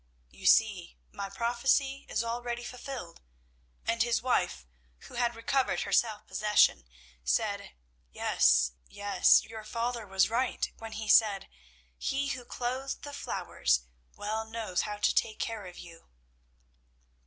You see, my prophecy is already fulfilled," and his wife, who had recovered her self possession, said, "Yes, yes; your father was right when he said, 'He who clothes the flowers, well knows how to take care of you.'"